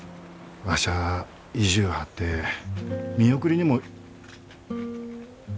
わしゃあ意地ゅう張って見送りにも。